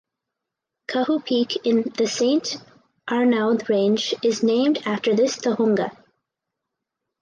Kahu Peak in the Saint Arnaud Range is named after this tohunga.